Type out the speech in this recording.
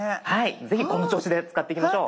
是非この調子で使っていきましょう。